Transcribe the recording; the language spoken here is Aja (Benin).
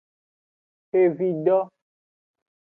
Xevido.